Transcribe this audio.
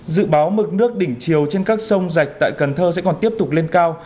dự báo mực nước đỉnh chiều trên các sông rạch tại cần thơ sẽ còn tiếp tục lên cao